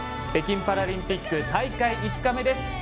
北京パラリンピック大会５日目です。